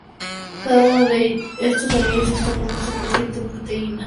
Cada uno de estos anillos está compuesto por siete proteínas individuales.